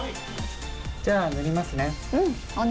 じゃあ、塗りますね。